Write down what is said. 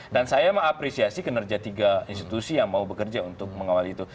dan saya mengapresiasi kinerja tiga institusi yang mau bekerja untuk mengawal itu